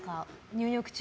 入浴中。